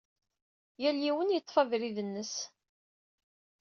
Yal yiwen yeḍḍef abrid-nnes.